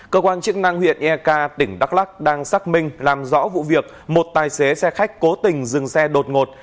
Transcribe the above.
cơ quan chức năng huyện eak tỉnh đắk lắc đang xác minh làm rõ vụ việc một tài xế xe khách cố tình dừng xe đột ngột